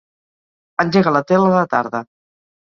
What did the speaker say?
Engega la tele a la tarda.